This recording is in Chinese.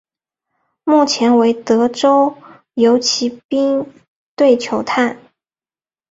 目前为德州游骑兵队球探。